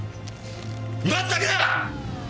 まったくだ！！